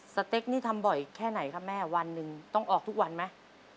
สเต็กนี่ทำบ่อยแค่ไหนครับแม่วันหนึ่งต้องออกทุกวันไหม